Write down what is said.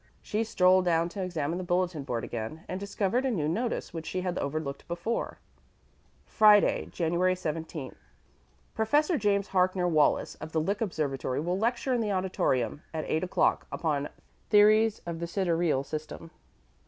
She strolled down to examine the bulletin board again, and discovered a new notice which she had overlooked before: Friday, January 17. Professor James Harkner Wallis of the Lick Observatory will lecture in the auditorium, at eight o'clock, upon "Theories of the Sidereal System."